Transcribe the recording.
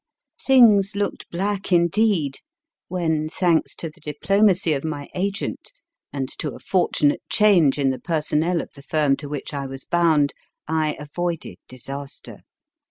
Things looked black indeed, when, thanks to the diplomacy of my H. RIDER HAGGARD 149 agent, and to a fortunate change in the personnel of the firm to which I was bound, I avoided disaster.